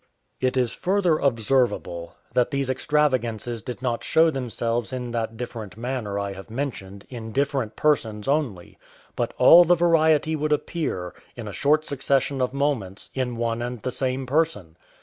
It is further observable, that these extravagances did not show themselves in that different manner I have mentioned, in different persons only; but all the variety would appear, in a short succession of moments, in one and the same person.